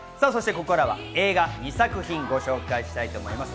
ここからは映画２作品をご紹介します。